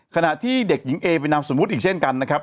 ขณะที่เด็กหญิงเอเป็นนามสมมุติอีกเช่นกันนะครับ